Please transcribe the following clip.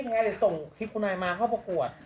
ใครส่งคลิปคุณายมาเข้าประกวด